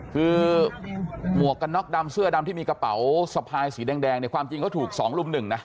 คือหมวกกันน็อกดำเสื้อดำที่มีกระเป๋าสะพายสีแดงเนี่ยความจริงเขาถูก๒ลุมหนึ่งนะ